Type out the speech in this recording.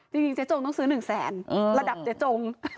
จริงเจ๊จงต้องซื้อ๑แสนระดับเจ๊จง